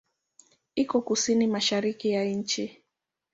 Iko kusini-mashariki ya nchi.